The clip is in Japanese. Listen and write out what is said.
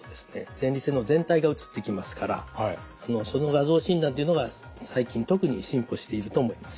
前立腺の全体が写ってきますからその画像診断っていうのが最近特に進歩していると思います。